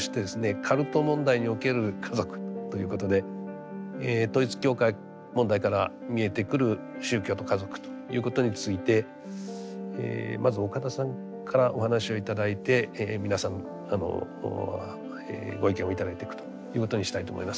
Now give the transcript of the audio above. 「カルト問題における家族」ということで統一教会問題から見えてくる宗教と家族ということについてまず岡田さんからお話を頂いて皆さんご意見を頂いていくということにしたいと思います。